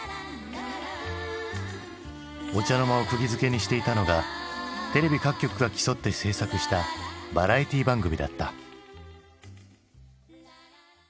お茶の間をくぎづけにしていたのがテレビ各局が競って制作したバラエティー番組だった。